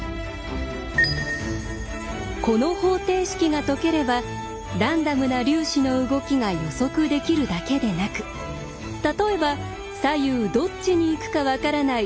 この方程式が解ければランダムな粒子の動きが予測できるだけでなく例えば左右どっちに行くか分からない